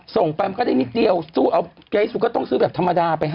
ส่งไปมันก็ได้นิดเดียวสู้เอาไกลที่สุดก็ต้องซื้อแบบธรรมดาไปให้